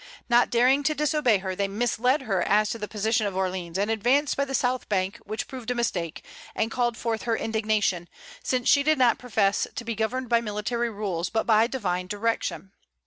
Not daring to disobey her, they misled her as to the position of Orleans, and advanced by the south bank, which proved a mistake, and called forth her indignation, since she did not profess to be governed by military rules, but by divine direction.